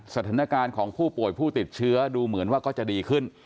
สถานการณ์ของผู้ป่วยผู้ติดเชื้อดูเหมือนว่าก็จะดีขึ้น